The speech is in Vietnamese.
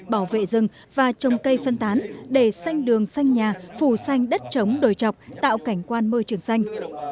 bảo vệ rừng và trồng cây phân tán để xanh đường xanh nhà phủ xanh đất trống đồi chọc tạo cảnh quan môi trường xanh